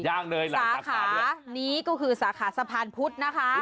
สาขานี้ก็คือสาขาสะพานพุทธนะคะ